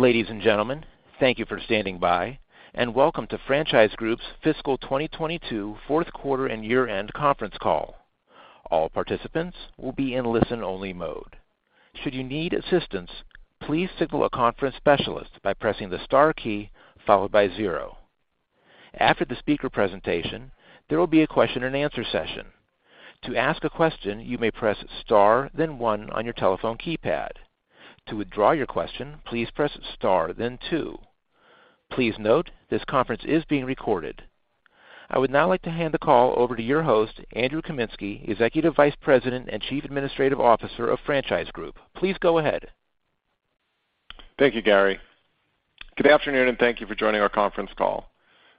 Ladies and gentlemen, thank you for standing by. Welcome to Franchise Group's fiscal 2022 fourth quarter and year-end conference call. All participants will be in listen-only mode. Should you need assistance, please signal a conference specialist by pressing the star key followed by zero. After the speaker presentation, there will be a question-and-answer session. To ask a question, you may press star then one on your telephone keypad. To withdraw your question, please press star then two. Please note, this conference is being recorded. I would now like to hand the call over to your host, Andrew Kaminsky, Executive Vice President and Chief Administrative Officer of Franchise Group. Please go ahead. Thank you, Gary. Good afternoon, and thank you for joining our conference call.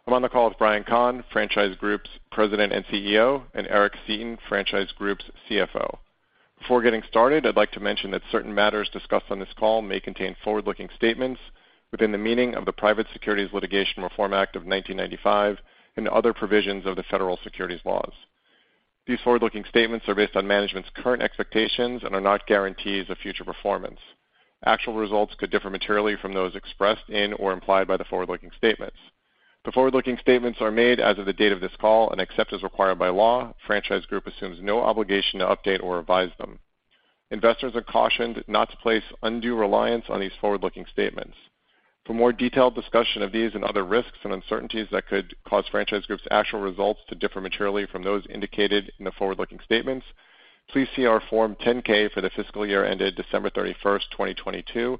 I'm on the call with Brian Kahn, Franchise Group's President and CEO, and Eric Seeton, Franchise Group's CFO. Before getting started, I'd like to mention that certain matters discussed on this call may contain forward-looking statements within the meaning of the Private Securities Litigation Reform Act of 1995 and other provisions of the federal securities laws. These forward-looking statements are based on management's current expectations and are not guarantees of future performance. Actual results could differ materially from those expressed in or implied by the forward-looking statements. The forward-looking statements are made as of the date of this call, and except as required by law, Franchise Group assumes no obligation to update or revise them. Investors are cautioned not to place undue reliance on these forward-looking statements. For more detailed discussion of these and other risks and uncertainties that could cause Franchise Group's actual results to differ materially from those indicated in the forward-looking statements, please see our Form 10-K for the fiscal year ended December 31st, 2022,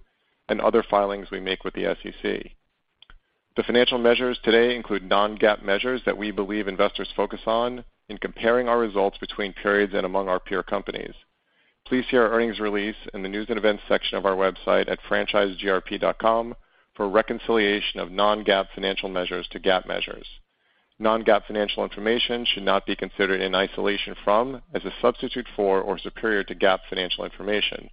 and other filings we make with the SEC. The financial measures today include non-GAAP measures that we believe investors focus on in comparing our results between periods and among our peer companies. Please see our earnings release in the News & Events section of our website at franchisegrp.com for a reconciliation of non-GAAP financial measures to GAAP measures. Non-GAAP financial information should not be considered in isolation from, as a substitute for, or superior to GAAP financial information,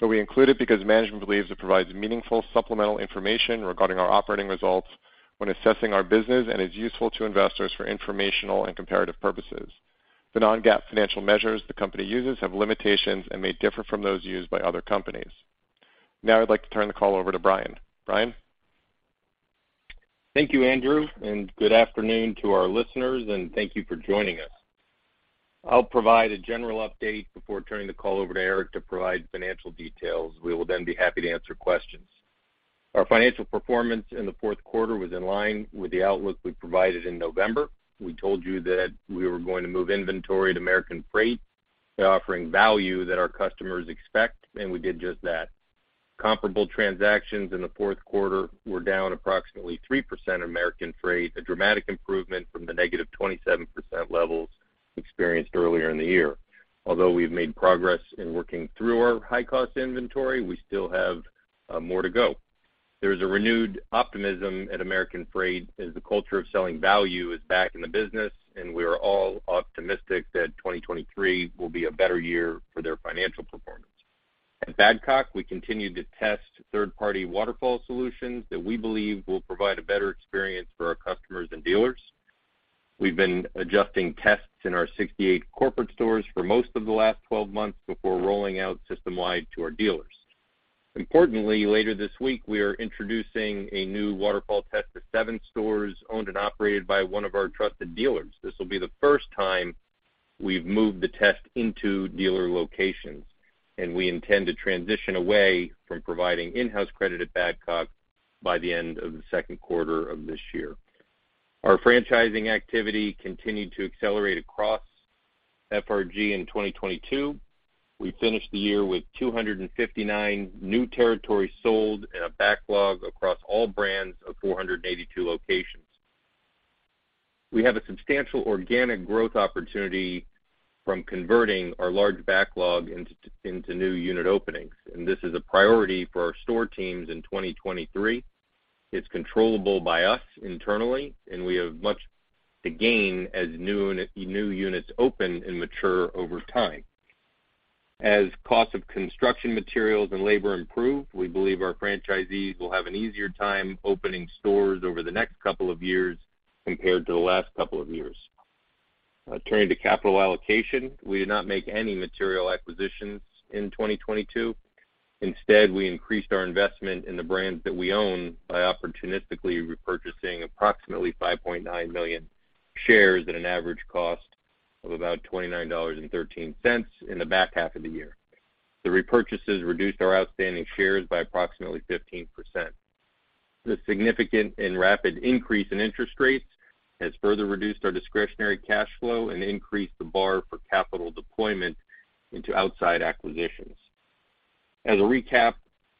but we include it because management believes it provides meaningful supplemental information regarding our operating results when assessing our business and is useful to investors for informational and comparative purposes. The non-GAAP financial measures the company uses have limitations and may differ from those used by other companies. Now I'd like to turn the call over to Brian. Brian? Thank you, Andrew, and good afternoon to our listeners, and thank you for joining us. I'll provide a general update before turning the call over to Eric to provide financial details. We will then be happy to answer questions. Our financial performance in the fourth quarter was in line with the outlook we provided in November. We told you that we were going to move inventory to American Freight by offering value that our customers expect, and we did just that. Comparable transactions in the fourth quarter were down approximately 3% at American Freight, a dramatic improvement from the -27% levels experienced earlier in the year. Although we've made progress in working through our high-cost inventory, we still have more to go. There is a renewed optimism at American Freight as the culture of selling value is back in the business. We are all optimistic that 2023 will be a better year for their financial performance. At Badcock, we continue to test third-party waterfall solutions that we believe will provide a better experience for our customers and dealers. We've been adjusting tests in our 68 corporate stores for most of the last 12 months before rolling out system-wide to our dealers. Later this week, we are introducing a new waterfall test to 7 stores owned and operated by one of our trusted dealers. This will be the first time we've moved the test into dealer locations. We intend to transition away from providing in-house credit at Badcock by the end of the second quarter of this year. Our franchising activity continued to accelerate across FRG in 2022. We finished the year with 259 new territories sold and a backlog across all brands of 482 locations. We have a substantial organic growth opportunity from converting our large backlog into new unit openings, and this is a priority for our store teams in 2023. It's controllable by us internally, and we have much to gain as new units open and mature over time. As cost of construction materials and labor improve, we believe our franchisees will have an easier time opening stores over the next couple of years compared to the last couple of years. Turning to capital allocation, we did not make any material acquisitions in 2022. Instead, we increased our investment in the brands that we own by opportunistically repurchasing approximately 5.9 million shares at an average cost of about $29.13 in the back half of the year. The repurchases reduced our outstanding shares by approximately 15%. The significant and rapid increase in interest rates has further reduced our discretionary cash flow and increased the bar for capital deployment into outside acquisitions. As a recap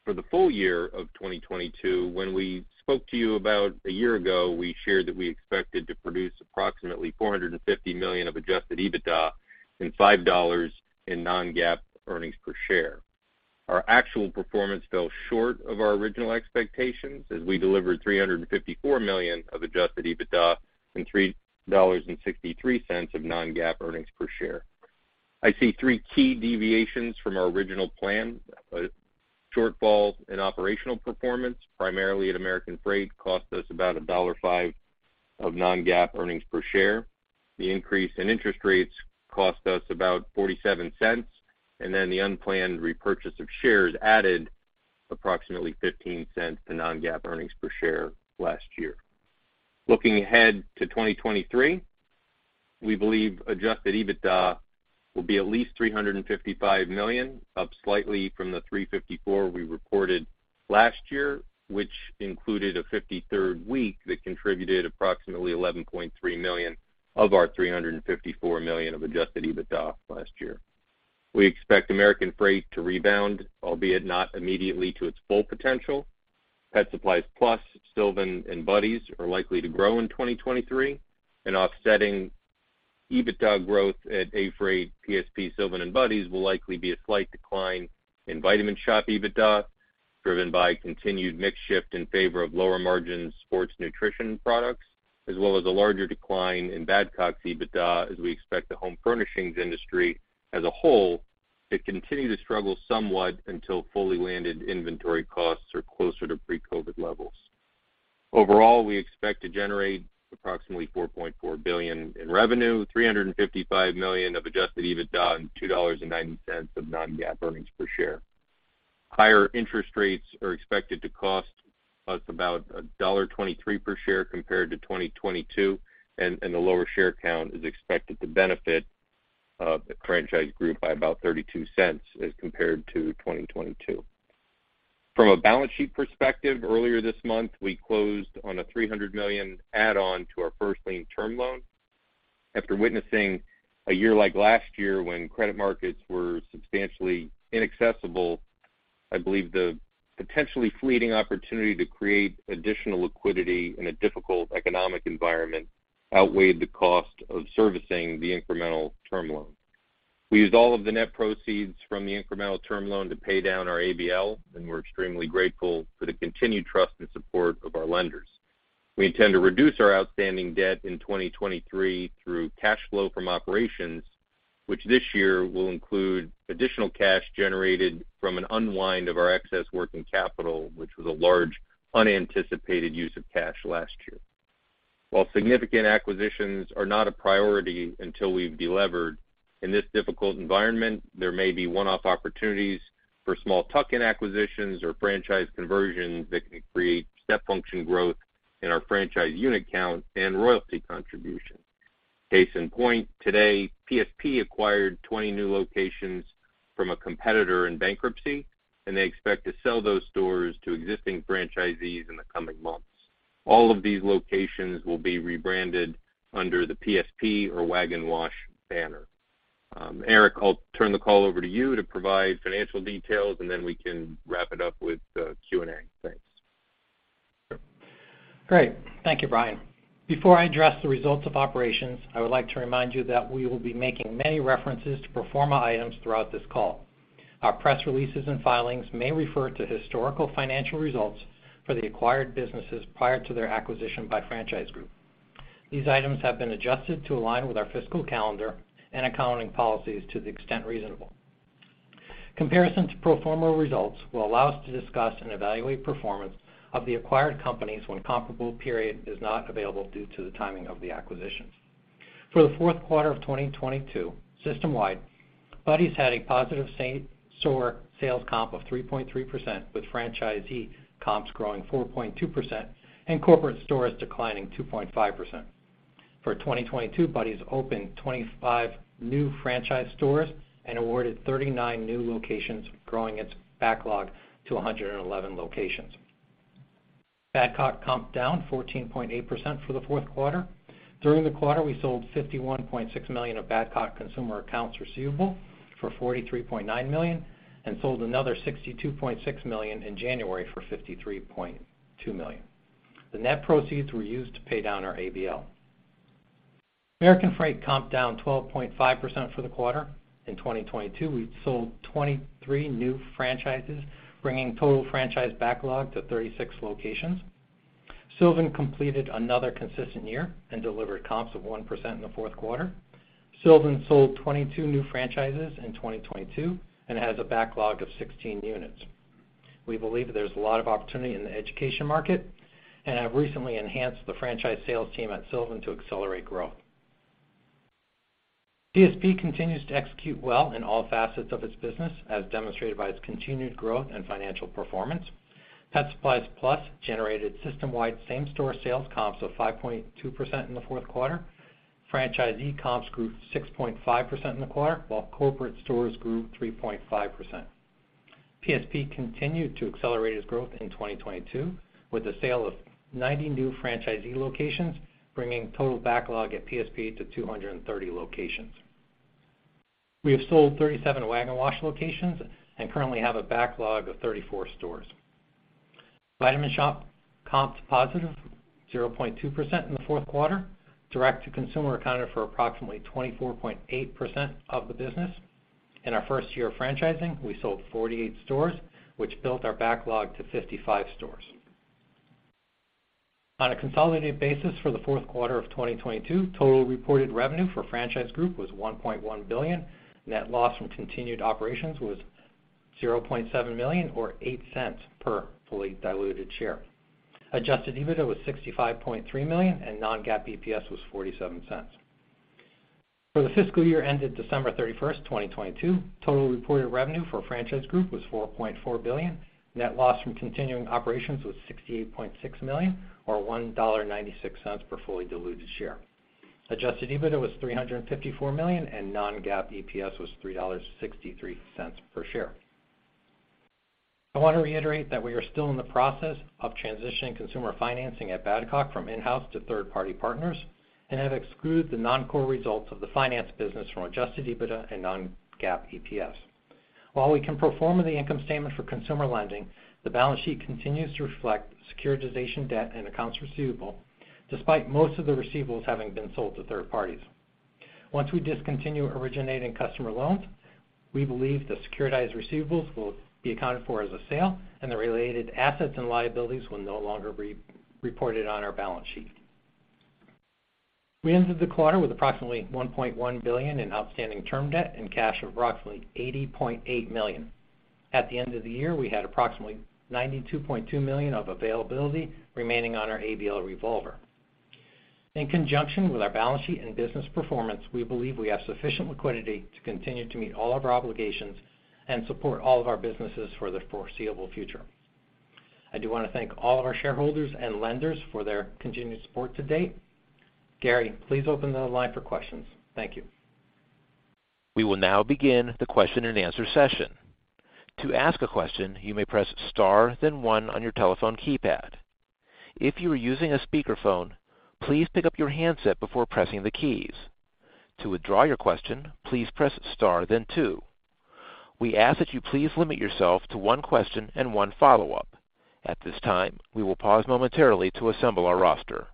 for the full year of 2022, when we spoke to you about a year ago, we shared that we expected to produce approximately $450 million of adjusted EBITDA and $5 in non-GAAP earnings per share. Our actual performance fell short of our original expectations as we delivered $354 million of adjusted EBITDA and $3.63 of non-GAAP earnings per share. I see three key deviations from our original plan. A shortfall in operational performance, primarily at American Freight, cost us about $1.05 of non-GAAP earnings per share. The increase in interest rates cost us about $0.47, and then the unplanned repurchase of shares added approximately $0.15 to non-GAAP earnings per share last year. Looking ahead to 2023, we believe adjusted EBITDA will be at least $355 million, up slightly from the $354 million we reported last year, which included a 53rd week that contributed approximately $11.3 million of our $354 million of adjusted EBITDA last year. We expect American Freight to rebound, albeit not immediately to its full potential. Pet Supplies Plus, Sylvan and Buddy's are likely to grow in 2023 and offsetting EBITDA growth at A. Freight, PSP, Sylvan and Buddy's will likely be a slight decline in The Vitamin Shoppe EBITDA, driven by continued mix shift in favor of lower-margin sports nutrition products, as well as a larger decline in Badcock's EBITDA, as we expect the home furnishings industry as a whole to continue to struggle somewhat until fully landed inventory costs are closer to pre-COVID levels. Overall, we expect to generate approximately $4.4 billion in revenue, $355 million of adjusted EBITDA and $2.90 of non-GAAP EPS. Higher interest rates are expected to cost us about $1.23 per share compared to 2022. The lower share count is expected to benefit the Franchise Group by about $0.32 as compared to 2022. From a balance sheet perspective, earlier this month, we closed on a $300 million add on to our first lien term loan. After witnessing a year like last year when credit markets were substantially inaccessible, I believe the potentially fleeting opportunity to create additional liquidity in a difficult economic environment outweighed the cost of servicing the incremental term loan. We used all of the net proceeds from the incremental term loan to pay down our ABL. We're extremely grateful for the continued trust and support of our lenders. We intend to reduce our outstanding debt in 2023 through cash flow from operations, which this year will include additional cash generated from an unwind of our excess working capital, which was a large unanticipated use of cash last year. While significant acquisitions are not a priority until we've delevered, in this difficult environment, there may be one-off opportunities for small tuck-in acquisitions or franchise conversions that can create step function growth in our franchise unit count and royalty contribution. Case in point, today, PSP acquired 20 new locations from a competitor in bankruptcy, and they expect to sell those stores to existing franchisees in the coming months. All of these locations will be rebranded under the PSP or Wag N' Wash banner. Eric, I'll turn the call over to you to provide financial details, and then we can wrap it up with Q&A. Thanks. Great. Thank you, Brian. Before I address the results of operations, I would like to remind you that we will be making many references to pro forma items throughout this call. Our press releases and filings may refer to historical financial results for the acquired businesses prior to their acquisition by Franchise Group. These items have been adjusted to align with our fiscal calendar and accounting policies to the extent reasonable. Comparison to pro forma results will allow us to discuss and evaluate performance of the acquired companies when comparable period is not available due to the timing of the acquisitions. For the fourth quarter of 2022, system-wide, Buddy's had a positive same-store sales comp of 3.3%, with franchisee comps growing 4.2% and corporate stores declining 2.5%. For 2022, Buddy's opened 25 new franchise stores and awarded 39 new locations, growing its backlog to 111 locations. Badcock comp down 14.8% for the fourth quarter. During the quarter, we sold $51.6 million of Badcock consumer accounts receivable for $43.9 million and sold another $62.6 million in January for $53.2 million. The net proceeds were used to pay down our ABL. American Freight comp down 12.5% for the quarter. In 2022, we sold 23 new franchises, bringing total franchise backlog to 36 locations. Sylvan completed another consistent year and delivered comps of 1% in the fourth quarter. Sylvan sold 22 new franchises in 2022 and has a backlog of 16 units. We believe there's a lot of opportunity in the education market and have recently enhanced the franchise sales team at Sylvan to accelerate growth. PSP continues to execute well in all facets of its business, as demonstrated by its continued growth and financial performance. Pet Supplies Plus generated system-wide same-store sales comps of 5.2% in the fourth quarter. Franchisee comps grew 6.5% in the quarter, while corporate stores grew 3.5%. PSP continued to accelerate its growth in 2022 with the sale of 90 new franchisee locations, bringing total backlog at PSP to 230 locations. We have sold 37 Wag N' Wash locations and currently have a backlog of 34 stores. Vitamin Shoppe comps positive 0.2% in the fourth quarter. Direct-to-consumer accounted for approximately 24.8% of the business. In our first year of franchising, we sold 48 stores, which built our backlog to 55 stores. On a consolidated basis for the fourth quarter of 2022, total reported revenue for Franchise Group was $1.1 billion. Net loss from continued operations was $0.7 million or $0.08 per fully diluted share. adjusted EBITDA was $65.3 million, and non-GAAP EPS was $0.47. For the fiscal year ended December 31st, 2022, total reported revenue for Franchise Group was $4.4 billion. Net loss from continuing operations was $68.6 million or $1.96 per fully diluted share. adjusted EBITDA was $354 million, and non-GAAP EPS was $3.63 per share. I want to reiterate that we are still in the process of transitioning consumer financing at Badcock from in-house to third-party partners and have excluded the non-core results of the finance business from adjusted EBITDA and non-GAAP EPS. While we can perform in the income statement for consumer lending, the balance sheet continues to reflect securitization, debt, and accounts receivable, despite most of the receivables having been sold to third parties. Once we discontinue originating customer loans, we believe the securitized receivables will be accounted for as a sale, and the related assets and liabilities will no longer be reported on our balance sheet. We ended the quarter with approximately $1.1 billion in outstanding term debt and cash of approximately $80.8 million. At the end of the year, we had approximately $92.2 million of availability remaining on our ABL revolver. In conjunction with our balance sheet and business performance, we believe we have sufficient liquidity to continue to meet all of our obligations and support all of our businesses for the foreseeable future. I do wanna thank all of our shareholders and lenders for their continued support to date. Gary, please open the line for questions. Thank you. We will now begin the question-and-answer session. To ask a question, you may press star then 1 on your telephone keypad. If you are using a speakerphone, please pick up your handset before pressing the keys. To withdraw your question, please press star then two. We ask that you please limit yourself to one question and one follow-up. At this time, we will pause momentarily to assemble our roster.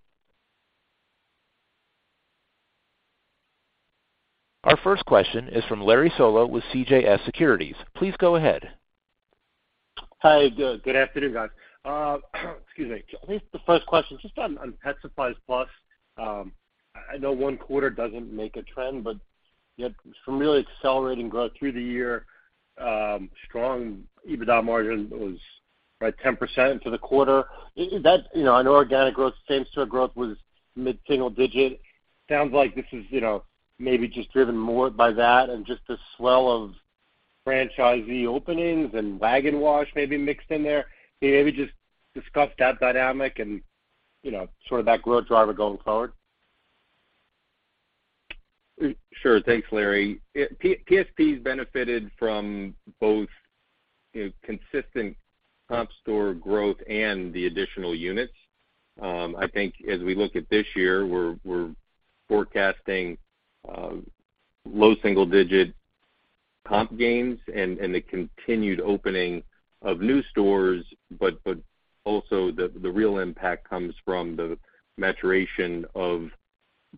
Our first question is from Larry Solow with CJS Securities. Please go ahead. Hi, good afternoon, guys. Excuse me. I think the first question just on Pet Supplies Plus. I know one quarter doesn't make a trend, but you had some really accelerating growth through the year, strong EBITDA margin was like 10% for the quarter. Is that? You know, I know organic growth, same-store growth was mid-single digit. Sounds like this is, you know, maybe just driven more by that and just the swell of franchisee openings and Wag N' Wash maybe mixed in there. Can you maybe just discuss that dynamic and, you know, sort of that growth driver going forward? Sure. Thanks, Larry. PSPs benefited from both, you know, consistent comp store growth and the additional units. I think as we look at this year, we're forecasting low single-digit comp gains and the continued opening of new stores, but also the real impact comes from the maturation of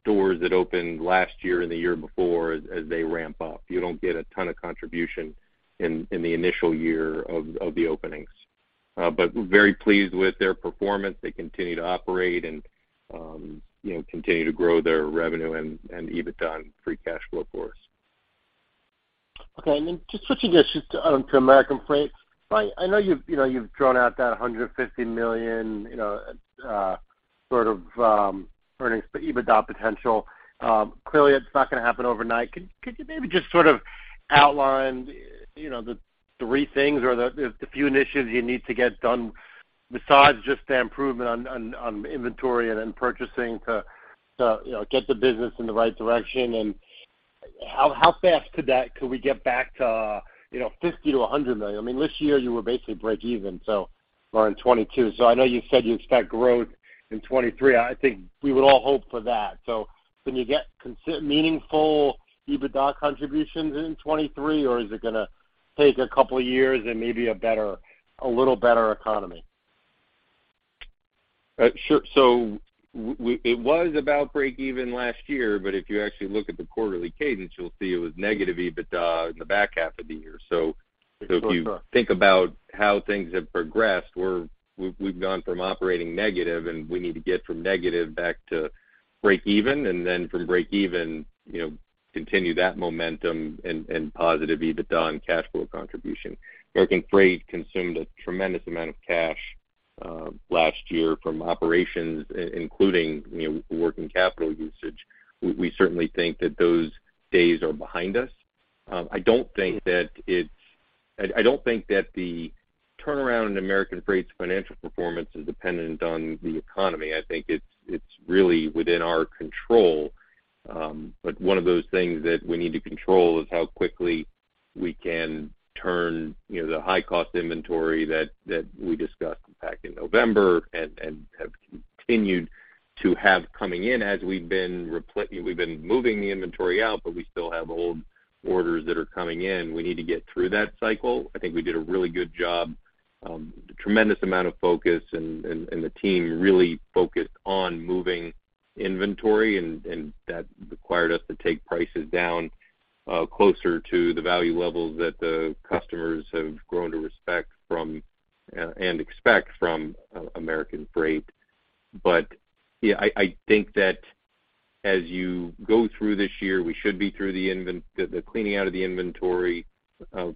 doors that opened last year and the year before as they ramp up. You don't get a ton of contribution in the initial year of the openings. Very pleased with their performance. They continue to operate and, you know, continue to grow their revenue and EBITDA and free cash flow for us. Okay. Then just switching gears just to American Freight. I know you've, you know, you've drawn out that $150 million, sort of EBITDA potential. Clearly, it's not gonna happen overnight. Could you maybe just sort of outline, you know, the three things or the few initiatives you need to get done besides just the improvement on inventory and then purchasing to, you know, get the business in the right direction? How fast could we get back to, you know, $50 million-$100 million? I mean, this year, you were basically breakeven in 2022. I know you said you expect growth in 2023. I think we would all hope for that. Can you get meaningful EBITDA contributions in 2023, or is it gonna take a couple of years and maybe a better, a little better economy? Sure. It was about breakeven last year, but if you actually look at the quarterly cadence, you'll see it was negative EBITDA in the back half of the year. Sure. Sure. If you think about how things have progressed, we've gone from operating negative, and we need to get from negative back to breakeven, and then from breakeven, you know, continue that momentum and positive EBITDA and cash flow contribution. American Freight consumed a tremendous amount of cash last year from operations, including, you know, working capital usage. We certainly think that those days are behind us. I don't think that the turnaround in American Freight's financial performance is dependent on the economy. I think it's really within our control. One of those things that we need to control is how quickly we can turn, you know, the high-cost inventory that we discussed back in November and have continued to have coming in as we've been moving the inventory out, but we still have old orders that are coming in. We need to get through that cycle. I think we did a really good job, tremendous amount of focus, and the team really focused on moving inventory, and that required us to take prices down, closer to the value levels that the customers have grown to respect from, and expect from American Freight. Yeah, I think that as you go through this year, we should be through the cleaning out of the inventory,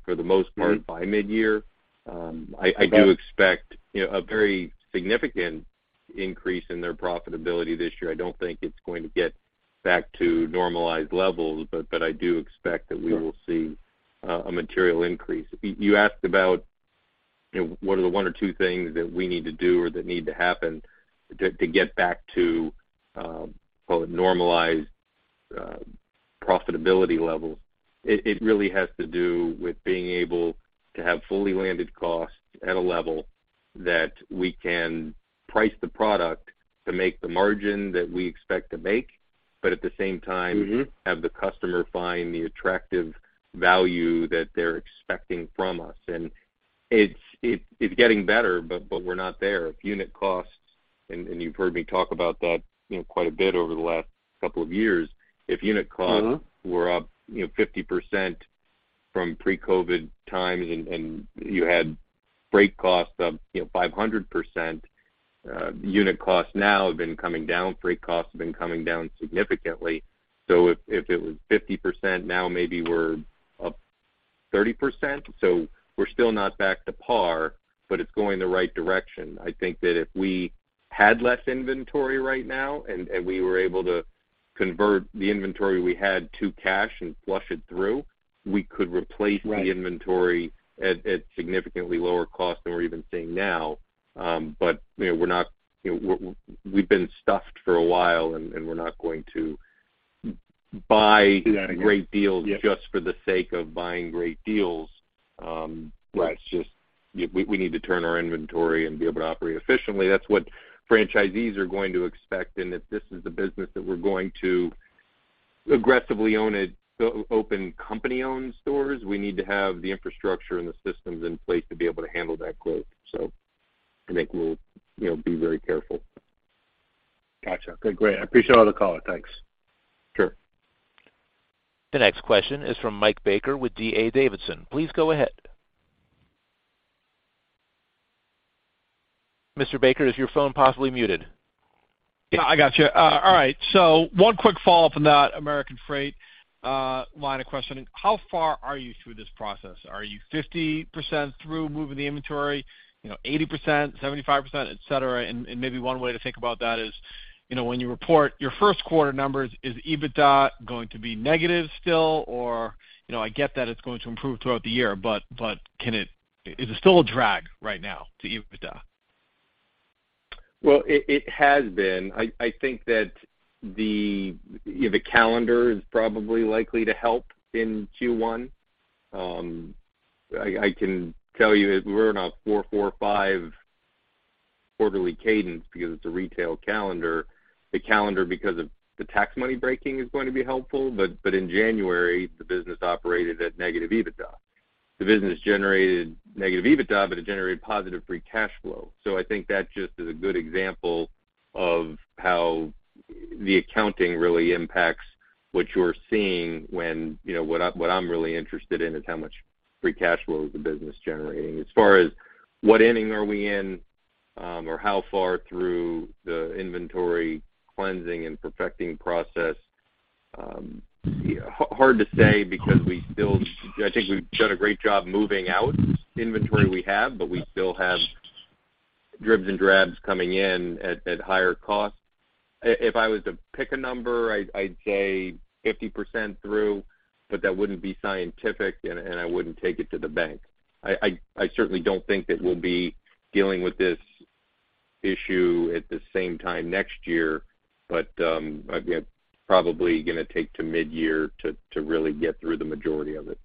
for the most part by midyear. I do expect, you know, a very significant increase in their profitability this year. I don't think it's going to get back to normalized levels, but I do expect that we will see a material increase. You asked about, you know, what are the one or two things that we need to do or that need to happen to get back to call it normalized profitability levels. It really has to do with being able to have fully landed costs at a level that we can price the product to make the margin that we expect to make, but at the same time- Mm-hmm have the customer find the attractive value that they're expecting from us. It's getting better, but we're not there. If unit costs, and you've heard me talk about that, you know, quite a bit over the last couple of years, if unit costs- Mm-hmm... were up, you know, 50% from pre-COVID times and you had freight costs of, you know, 500%. unit costs now have been coming down, freight costs have been coming down significantly. If it was 50%, now maybe we're up 30%. We're still not back to par, but it's going the right direction. I think that if we had less inventory right now and we were able to convert the inventory we had to cash and flush it through, we could replace. Right... the inventory at significantly lower cost than we're even seeing now. You know, we're not. You know, we've been stuffed for a while and we're not going to buy great deals just for the sake of buying great deals. Right. It's just, you know, we need to turn our inventory and be able to operate efficiently. That's what franchisees are going to expect. If this is the business that we're going to aggressively own it, so open company-owned stores, we need to have the infrastructure and the systems in place to be able to handle that growth. I think we'll, you know, be very careful. Gotcha. Okay, great. I appreciate all the color. Thanks. Sure. The next question is from Mike Baker with D.A. Davidson. Please go ahead. Mr. Baker, is your phone possibly muted? Yeah, I got you. All right. One quick follow-up on that American Freight line of questioning. How far are you through this process? Are you 50% through moving the inventory, you know, 80%, 75%, et cetera? Maybe one way to think about that is, you know, when you report your first quarter numbers, is EBITDA going to be negative still? You know, I get that it's going to improve throughout the year, but can it... Is it still a drag right now to EBITDA? It has been. I think that the, you know, the calendar is probably likely to help in Q1. I can tell you that we're in a 4-4-5 quarterly cadence because it's a retail calendar. The calendar because of the tax money breaking is going to be helpful, but in January, the business operated at negative EBITDA. The business generated negative EBITDA, but it generated positive free cash flow. I think that just is a good example of how the accounting really impacts what you're seeing when, you know, what I'm really interested in is how much free cash flow is the business generating. As far as what inning are we in, or how far through the inventory cleansing and perfecting process, hard to say because we still... I think we've done a great job moving out inventory we have, but we still have dribs and drabs coming in at higher cost. If I was to pick a number, I'd say 50% through, but that wouldn't be scientific and I wouldn't take it to the bank. I certainly don't think that we'll be dealing with this issue at the same time next year, but again, probably gonna take to midyear to really get through the majority of it.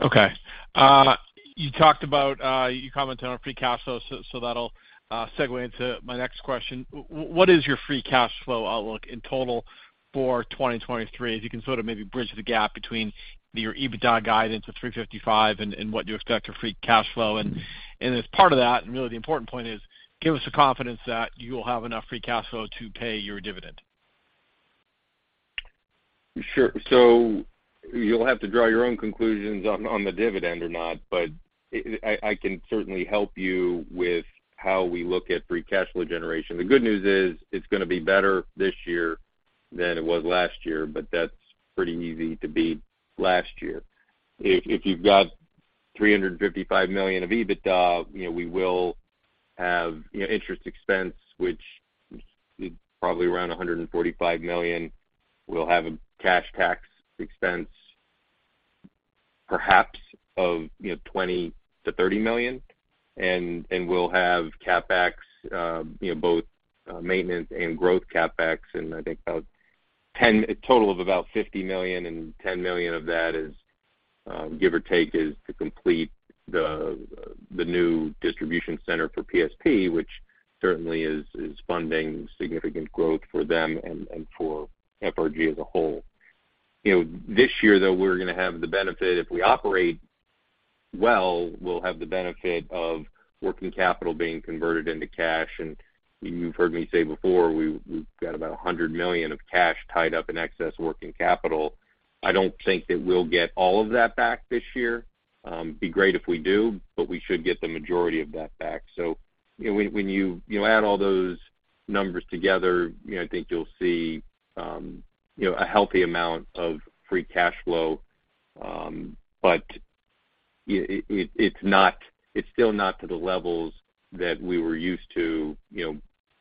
Okay. You talked about, you commented on free cash flow, so that'll segue into my next question. What is your free cash flow outlook in total for 2023? If you can sort of maybe bridge the gap between your EBITDA guidance of 355 and what you expect your free cash flow? As part of that, and really the important point is, give us the confidence that you will have enough free cash flow to pay your dividend. Sure. You'll have to draw your own conclusions on the dividend or not, but I can certainly help you with how we look at free cash flow generation. The good news is it's gonna be better this year than it was last year, that's pretty easy to beat last year. If you've got $355 million of EBITDA, you know, we will have, you know, interest expense, which is probably around $145 million. We'll have a cash tax expense perhaps of, you know, $20 million-$30 million. We'll have CapEx, you know, both maintenance and growth CapEx, and I think about a total of about $50 million, and $10 million of that is, give or take, is to complete the new distribution center for PSP, which certainly is funding significant growth for them and for FRG as a whole. You know, this year, though, we're gonna have the benefit. If we operate well, we'll have the benefit of working capital being converted into cash. You've heard me say before, we've got about $100 million of cash tied up in excess working capital. I don't think that we'll get all of that back this year. Be great if we do, but we should get the majority of that back so when you add all those numbers together, you know, I think you'll see, you know, a healthy amount of free cash flow. It's still not to the levels that we were used to, you know,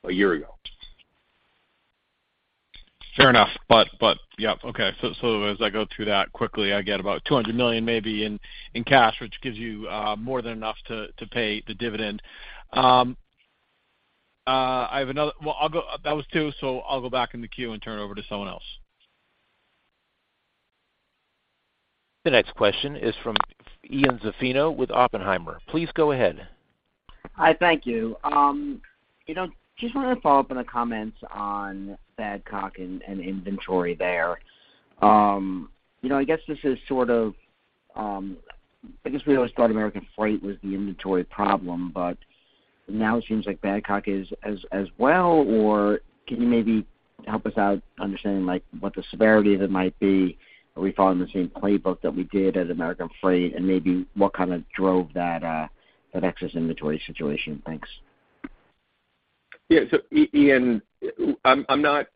a year ago. Fair enough. Yep, okay. As I go through that quickly, I get about $200 million maybe in cash, which gives you more than enough to pay the dividend. Well, that was two, so I'll go back in the queue and turn it over to someone else. The next question is from Ian Zaffino with Oppenheimer. Please go ahead. Hi, thank you. You know, just wanted to follow up on the comments on Badcock and inventory there. You know, I guess this is sort of, I guess we always thought American Freight was the inventory problem, but now it seems like Badcock is as well or can you maybe help us out understanding, like, what the severity of it might be? Are we following the same playbook that we did at American Freight, and maybe what kind of drove that excess inventory situation? Thanks. Yeah. Ian, I'm not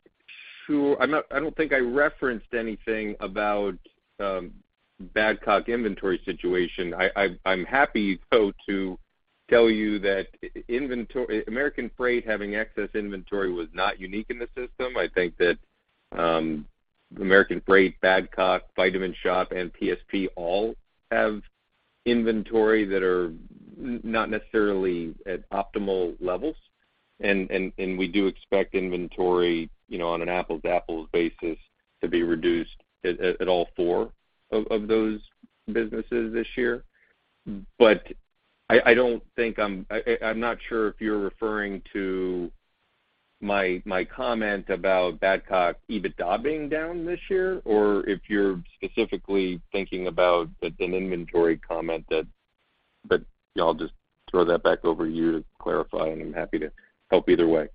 sure. I don't think I referenced anything about Badcock inventory situation. I'm happy though to tell you that inventory American Freight having excess inventory was not unique in the system. I think that American Freight, Badcock, The Vitamin Shoppe and PSP all have inventory that are not necessarily at optimal levels. We do expect inventory, you know, on an apples-to-apples basis to be reduced at all four of those businesses this year. I don't think I'm not sure if you're referring to my comment about Badcock EBITDA being down this year, or if you're specifically thinking about an inventory comment that. You know, I'll just throw that back over to you to clarify, and I'm happy to help either way.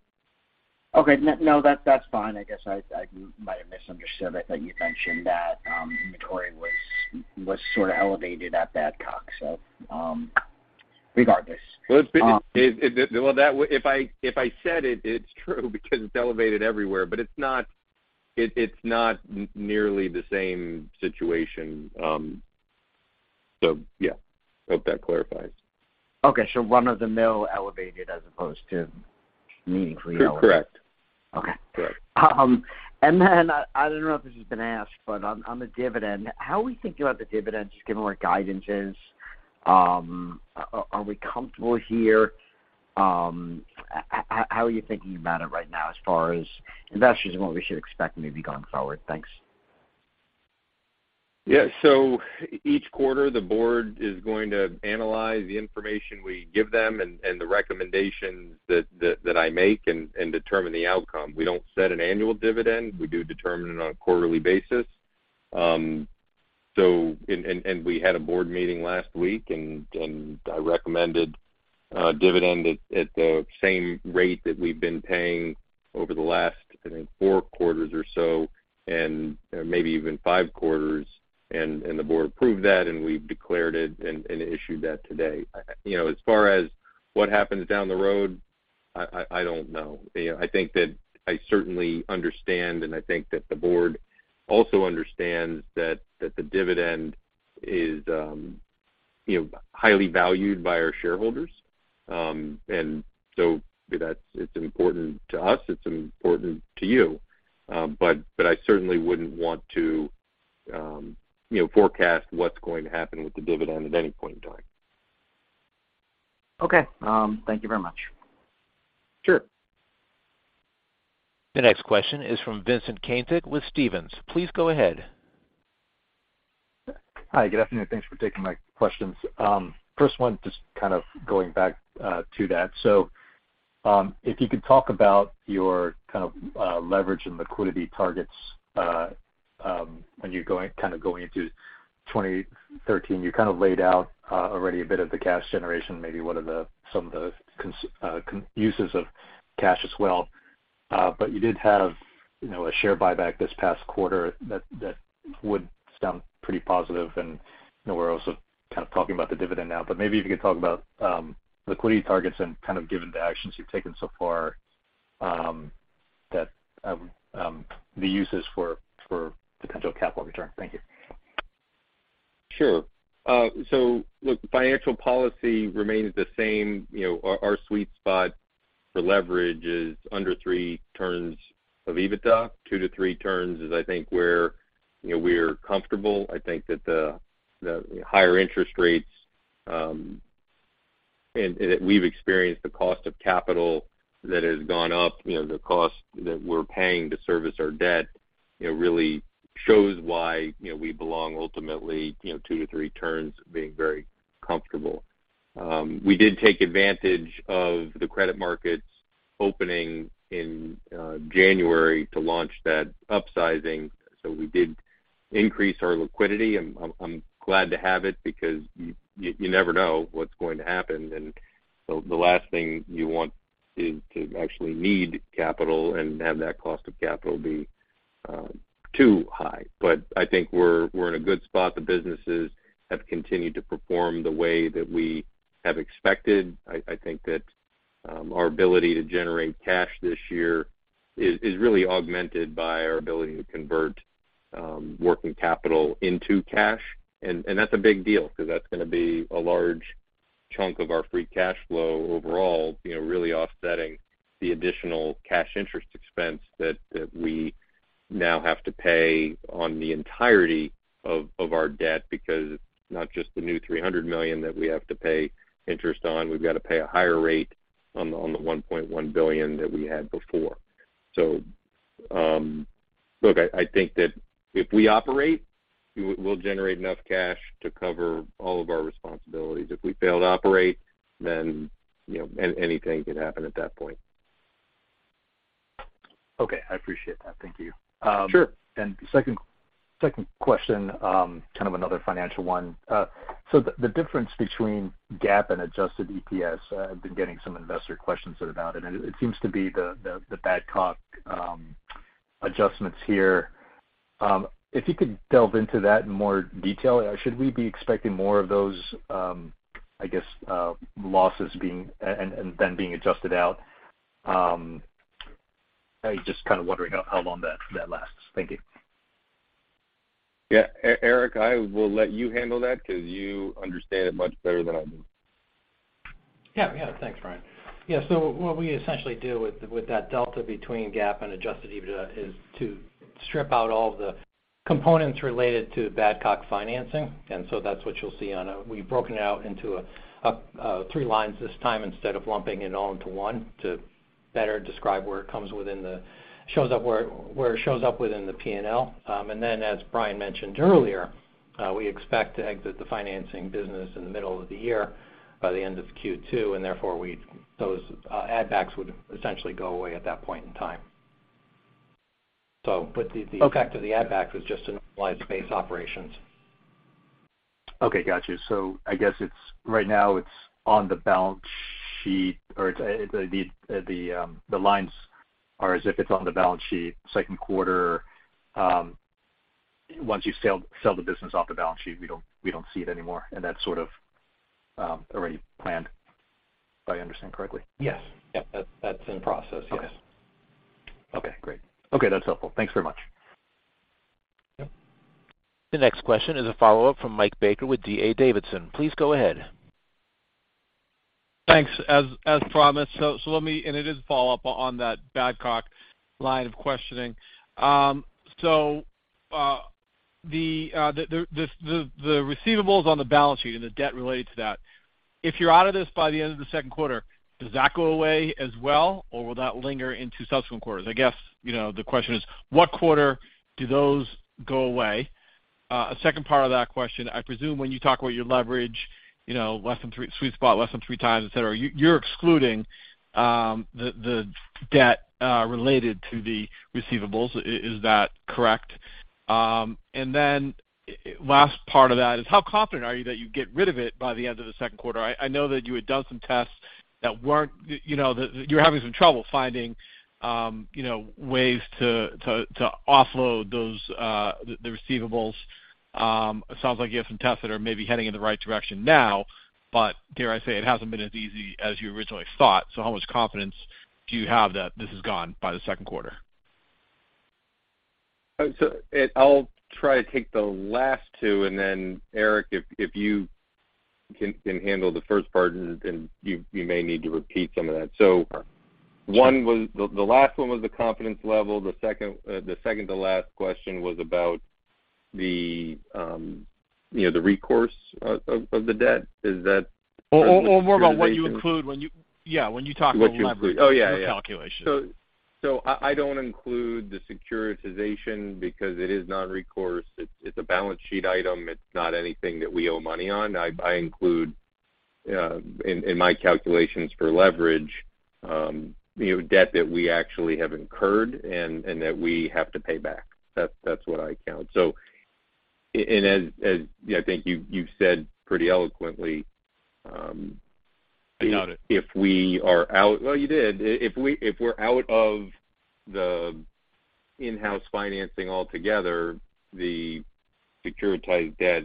Okay. No, that's fine. I guess I might have misunderstood. I thought you mentioned that inventory was sort of elevated at Badcock. Regardless. It's been. If I said it's true because it's elevated everywhere, but it's not, it's not nearly the same situation, yeah. Hope that clarifies. Okay. Run-of-the-mill elevated as opposed to meaningfully elevated. Correct. Okay. Correct. I don't know if this has been asked, but on the dividend, how are we thinking about the dividend just given where guidance is? Are we comfortable here? How are you thinking about it right now as far as investors and what we should expect maybe going forward? Thanks. Yeah. Each quarter, the board is going to analyze the information we give them and the recommendations that I make and determine the outcome. We don't set an annual dividend. We do determine it on a quarterly basis. And we had a board meeting last week and I recommended a dividend at the same rate that we've been paying over the last, I think, 4 quarters or so, and, you know, maybe even 5 quarters. The board approved that, and we've declared it and issued that today. You know, as far as what happens down the road, I don't know. You know, I think that I certainly understand, and I think that the board also understands that the dividend is, you know, highly valued by our shareholders. It's important to us. It's important to you. I certainly wouldn't want to, you know, forecast what's going to happen with the dividend at any point in time. Okay. Thank you very much. Sure. The next question is from Vincent Caintic with Stephens. Please go ahead. Hi. Good afternoon. Thanks for taking my questions. First one, just kind of going back to that. If you could talk about your kind of leverage and liquidity targets when you're kind of going into 2013. You kind of laid out already a bit of the cash generation, maybe what are the some of the uses of cash as well. But you did have, you know, a share buyback this past quarter that would stem pretty positive. You know, we're also kind of talking about the dividend now, but maybe if you could talk about liquidity targets and kind of given the actions you've taken so far, that the uses for potential capital return. Thank you. Sure. Look, financial policy remains the same. You know, our sweet spot for leverage is under 3 turns of EBITDA. 2 to 3 turns is I think where, you know, we're comfortable. I think that the higher interest rates, and that we've experienced the cost of capital that has gone up, you know, the cost that we're paying to service our debt, you know, really shows why, you know, we belong ultimately, you know, 2 to 3 turns being very comfortable. We did take advantage of the credit markets opening in January to launch that upsizing. We did increase our liquidity. I'm glad to have it because you never know what's going to happen. The last thing you want to actually need capital and have that cost of capital be too high. I think we're in a good spot. The businesses have continued to perform the way that we have expected. I think that our ability to generate cash this year is really augmented by our ability to convert working capital into cash. That's a big deal because that's gonna be a large chunk of our free cash flow overall, you know, really offsetting the additional cash interest expense that we now have to pay on the entirety of our debt because it's not just the new $300 million that we have to pay interest on, we've got to pay a higher rate on the $1.1 billion that we had before. Look, I think that if we operate, we'll generate enough cash to cover all of our responsibilities. If we fail to operate, then, you know, anything could happen at that point. Okay. I appreciate that. Thank you. Sure. Second question, kind of another financial one. So the difference between GAAP and adjusted EPS, I've been getting some investor questions about it. It seems to be the Badcock adjustments here. If you could delve into that in more detail. Should we be expecting more of those, I guess, losses being adjusted out? I'm just kind of wondering how long that lasts. Thank you. Yeah. Eric Seeton, I will let you handle that because you understand it much better than I do. Yeah. Yeah. Thanks, Brian. Yeah. What we essentially do with that delta between GAAP and adjusted EBITDA is to strip out all of the components related to Badcock financing. That's what you'll see on a. We've broken it out into a three lines this time instead of lumping it all into one to better describe where it shows up within the P&L. As Brian mentioned earlier, we expect to exit the financing business in the middle of the year by the end of Q2. Therefore, those add backs would essentially go away at that point in time. Okay. But the effect of the add back was just to normalize base operations. Okay. Got you. I guess it's right now it's on the balance sheet or it's, the, the lines are as if it's on the balance sheet second quarter. Once you sell the business off the balance sheet, we don't see it anymore, and that's sort of already planned. Do I understand correctly? Yes. Yep. That's, that's in process. Yes. Okay. Okay, great. Okay, that's helpful. Thanks very much. Yeah. The next question is a follow-up from Mike Baker with D.A. Davidson. Please go ahead. Thanks. As promised, let me. It is a follow-up on that Badcock line of questioning. The receivables on the balance sheet and the debt related to that, if you're out of this by the end of the second quarter, does that go away as well, or will that linger into subsequent quarters? I guess, you know, the question is, what quarter do those go away? A second part of that question, I presume when you talk about your leverage, you know, less than 3x sweet spot less than 3x, et cetera, you're excluding the debt related to the receivables. Is that correct? Then last part of that is how confident are you that you get rid of it by the end of the second quarter? I know that you had done some tests that weren't, you know, that you're having some trouble finding, you know, ways to offload those, the receivables. It sounds like you have some tests that are maybe heading in the right direction now, dare I say it hasn't been as easy as you originally thought. How much confidence do you have that this is gone by the second quarter? Ed, I'll try to take the last two, and then Eric, if you can handle the first part, and you may need to repeat some of that. Sure. One was the last one was the confidence level. The second, the second to last question was about the, you know, the recourse of the debt. Is that part of the securitization? More about what you include yeah, when you talk about leverage. What you include. Oh, yeah. In your calculation. I don't include the securitization because it is non-recourse. It's a balance sheet item. It's not anything that we owe money on. I include in my calculations for leverage, you know, debt that we actually have incurred and that we have to pay back. That's what I count. As I think you said pretty eloquently. I nodded. If we're out of the in-house financing altogether, the securitized debt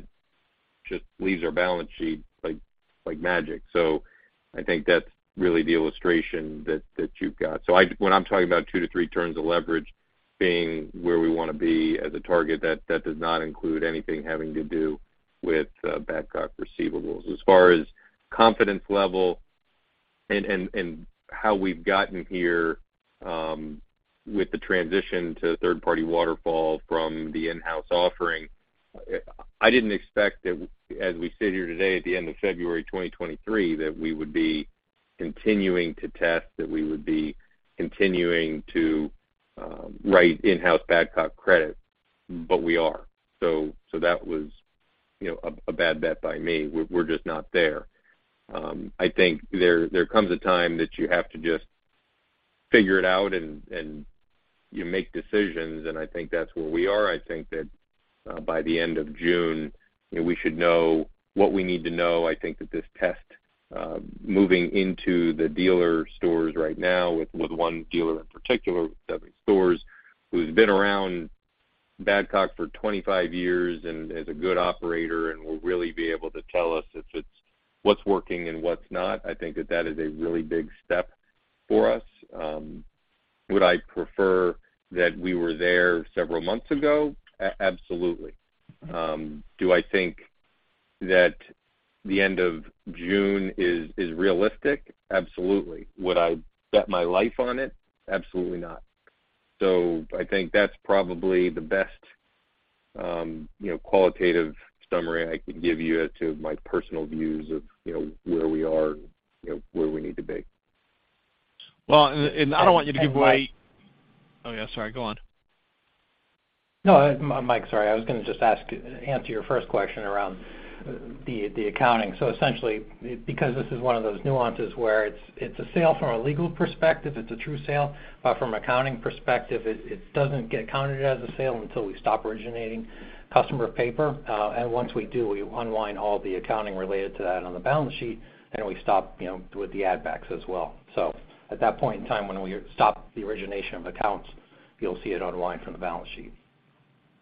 just leaves our balance sheet like magic. I think that's really the illustration that you've got. When I'm talking about 2 to 3 turns of leverage being where we wanna be as a target, that does not include anything having to do with Badcock receivables. As far as confidence level and how we've gotten here, with the transition to third-party waterfall from the in-house offering, I didn't expect that as we sit here today at the end of February 2023, that we would be continuing to test, that we would be continuing to write in-house Badcock credit, but we are. That was, you know, a bad bet by me. We're just not there. I think there comes a time that you have to just figure it out and you make decisions, and I think that's where we are. I think that, by the end of June, you know, we should know what we need to know. I think that this test, moving into the dealer stores right now with one dealer in particular with seven stores, who's been around Badcock for 25 years and is a good operator and will really be able to tell us if it's what's working and what's not. I think that that is a really big step for us. Would I prefer that we were there several months ago? Absolutely. Do I think that the end of June is realistic? Absolutely. Would I bet my life on it? Absolutely not. I think that's probably the best, you know, qualitative summary I can give you as to my personal views of, you know, where we are and, you know, where we need to be. Well, I don't want you to give away- Mike- Oh, yeah, sorry, go on. Mike, sorry, I was going to just answer your first question around the accounting. Essentially, because this is one of those nuances where it's a sale from a legal perspective, it's a true sale, but from accounting perspective, it doesn't get counted as a sale until we stop originating customer paper. And once we do, we unwind all the accounting related to that on the balance sheet, and we stop, you know, with the add backs as well. At that point in time when we stop the origination of accounts, you'll see it unwind from the balance sheet.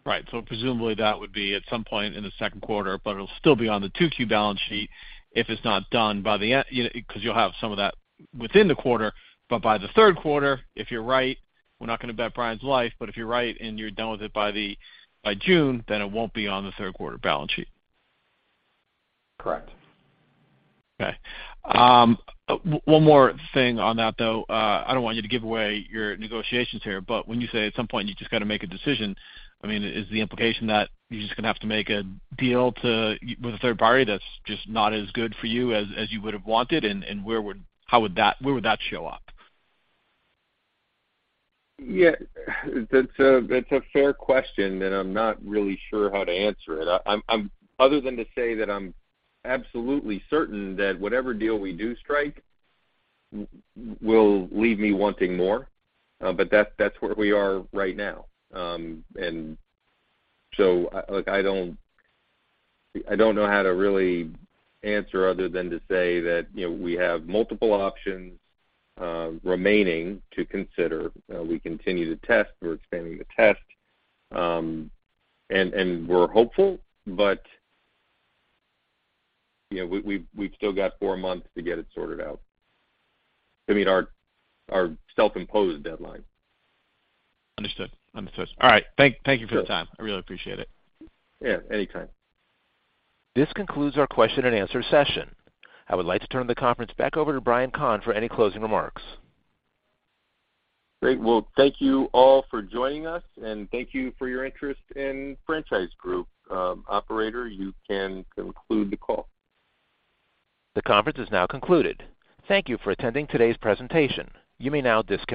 Right. Presumably that would be at some point in the second quarter, but it'll still be on the 2Q balance sheet if it's not done. You know, 'cause you'll have some of that within the quarter, but by the third quarter, if you're right, we're not gonna bet Brian's life, but if you're right and you're done with it by June, then it won't be on the third quarter balance sheet. Correct. Okay. One more thing on that, though. I don't want you to give away your negotiations here, but when you say at some point you just gotta make a decision, I mean, is the implication that you're just gonna have to make a deal with a third party that's just not as good for you as you would have wanted, and where would that show up? Yeah, that's a, that's a fair question, and I'm not really sure how to answer it. I'm, other than to say that I'm absolutely certain that whatever deal we do strike will leave me wanting more, but that's where we are right now. like I don't, I don't know how to really answer other than to say that, you know, we have multiple options remaining to consider. We continue to test. We're expanding the test. We're hopeful, but, you know, we've still got four months to get it sorted out to meet our self-imposed deadline. Understood. All right. Thank you for the time. I really appreciate it. Yeah, anytime. This concludes our question and answer session. I would like to turn the conference back over to Brian Kahn for any closing remarks. Great. Well, thank you all for joining us, and thank you for your interest in Franchise Group. Operator, you can conclude the call. The conference is now concluded. Thank you for attending today's presentation. You may now disconnect.